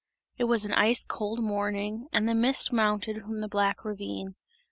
It was an ice cold morning, and the mist mounted from the black ravine.